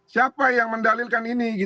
siapa yang mendalilkan ini